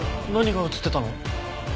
何が写ってたの？